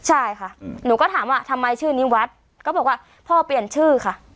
ใช่ค่ะหนูก็ถามว่าทำไมชื่อนิวัฒน์ก็บอกว่าพ่อเปลี่ยนชื่อค่ะ